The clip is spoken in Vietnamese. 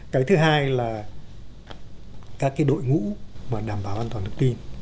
cái thứ hai là các cái đội ngũ mà đảm bảo an toàn thông tin